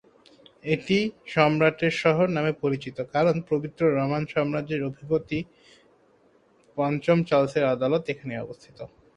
এটি "সম্রাটের শহর" নামে পরিচিত, কারণ পবিত্র রোমান সাম্রাজ্যের অধিপতি পঞ্চম চার্লসের আদালত এখানেই অবস্থিত।